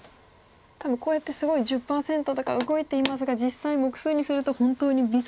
多分こうやってすごい１０％とか動いていますが実際目数にすると本当に微差ですよね。